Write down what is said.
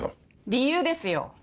理由ですよ。